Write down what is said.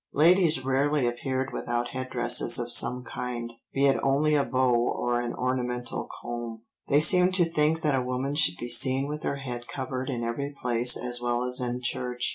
Ladies rarely appeared without head dresses of some kind, be it only a bow or an ornamental comb, they seemed to think that a woman should be seen with her head covered in every place as well as in church.